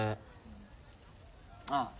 ああ。